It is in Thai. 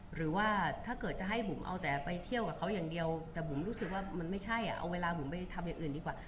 หรือว่าถ้าเกิดจะให้บุ๋มเอาแต่ไปเที่ยวกับเขาอย่างเดียวแต่บุ๋มรู้สึกว่ามันไม่ใช่เอาเวลาบุ๋มไปทำอย่างอื่นดีกว่า